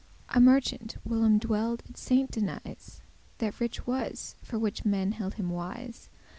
<1> A Merchant whilom dwell'd at Saint Denise, That riche was, for which men held him wise.